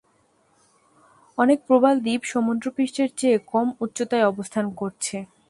অনেক প্রবাল দ্বীপ সমুদ্রপৃষ্ঠের চেয়ে কম উচ্চতায় অবস্থান করছে।